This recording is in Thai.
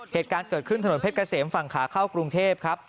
เหตุการณ์เกิดขึ้นถนนเพชรเกษมฝั่งขาเข้ากรุงเทพครับ